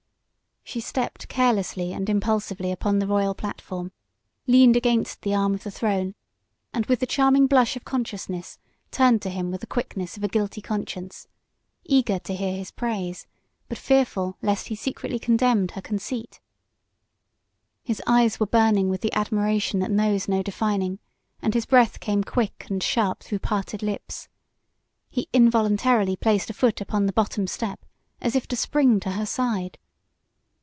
She stepped carelessly and impulsively upon the royal platform, leaned against the arm of the throne, and with the charming blush of consciousness turned to him with the quickness of a guilty conscience, eager to hear his praise but fearful lest he secretly condemned her conceit. His eyes were burning with the admiration that knows no defining, and his breath came quick and sharp through parted lips. He involuntarily placed a foot upon the bottom step as if to spring to her side.